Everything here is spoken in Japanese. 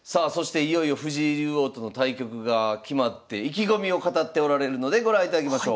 いよいよ藤井竜王との対局が決まって意気込みを語っておられるのでご覧いただきましょう。